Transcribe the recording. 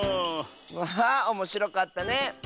わあおもしろかったね！